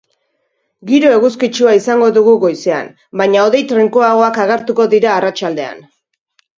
Giro eguzkitsua izango dugu goizean, baina hodei trinkoagoak agertuko dira arratsaldean.